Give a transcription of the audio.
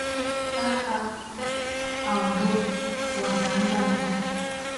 ee aa aa aondoke wataanza labda